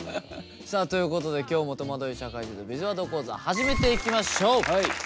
さあということで今日も「とまどい社会人のビズワード講座」始めていきましょう。